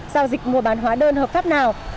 giao dịch mua bán hóa đơn hợp pháp nào